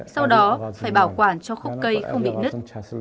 sau đó phải bảo quản cho khúc cây không bị nứt